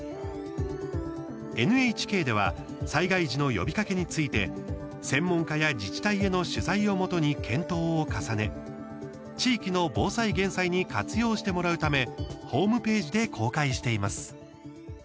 ＮＨＫでは災害時の呼びかけについて専門家や自治体への取材をもとに検討を重ね、地域の防災・減災に活用してもらうためホームページで公開しています。